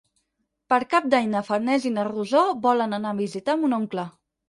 Per Cap d'Any na Farners i na Rosó volen anar a visitar mon oncle.